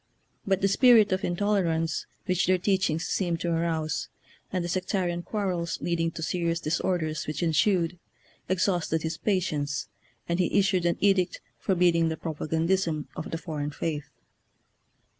But the' spirit of intolerance which their teachings seemed to arouse, and the sectarian quarrels leading to serious dis orders which ensued, exhausted his pa tience, and he issued an edict forbidding the propagandism of the foreign faith.